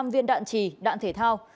một trăm linh viên đạn trì đạn thể thao